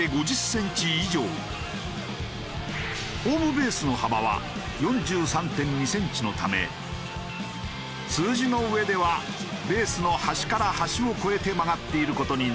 ホームベースの幅は４３．２センチのため数字の上ではベースの端から端を超えて曲がっている事になる。